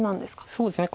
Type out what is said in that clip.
そうですね。